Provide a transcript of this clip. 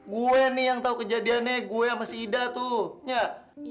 gue nih yang tahu kejadiannya gue sama ida tuh